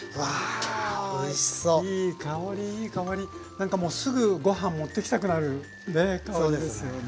何かもうすぐご飯持ってきたくなるね香りですよね。